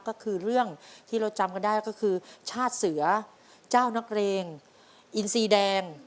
ก็คือเรื่องที่เราจำกันได้ก็คือชาติเสือเจ้านักเรงอินซีแดง